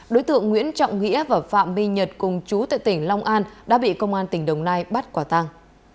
đối tượng nguyễn trọng nghĩa và phạm my nhật cùng chú tại tỉnh long an đã bị công an tỉnh đồng nai bắt quả tăng